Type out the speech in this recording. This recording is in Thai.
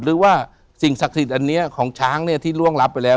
หรือว่าสิ่งศักดิ์สิทธิ์อันนี้ของช้างเนี่ยที่ร่วงรับไปแล้ว